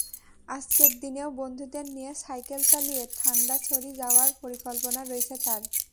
আজকের দিনেও বন্ধুদের নিয়ে সাইকেল চালিয়ে ঠান্ডাছড়ি যাওয়ার পরিকল্পনা রয়েছে তাঁর।